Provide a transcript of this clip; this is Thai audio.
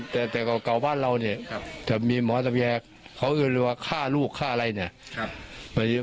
แต่เก่าบ้านเราเนี่ยจะมีหมอระแยเขาอื่นหรือว่าฆ่าลูกฆ่าอะไรเนี่ย